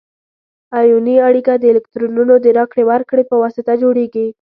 ایوني اړیکه د الکترونونو د راکړې ورکړې په واسطه جوړیږي.